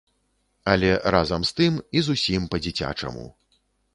Але разам з тым і зусім па-дзіцячаму.